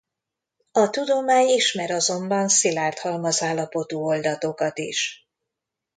A tudomány ismer azonban szilárd halmazállapotú oldatokat is.